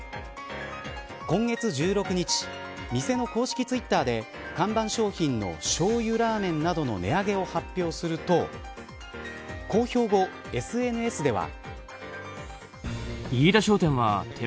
今月１６日店の公式ツイッターで看板商品のしょうゆらぁ麺などの値上げを発表すると公表後、ＳＮＳでは。